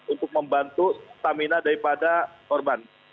untuk membantu stamina daripada korban